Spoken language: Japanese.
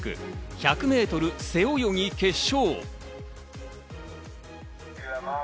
１００ｍ背泳ぎ決勝。